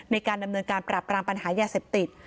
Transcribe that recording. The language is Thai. ในการดำเนินการปราบรามปัญหายาเสพติด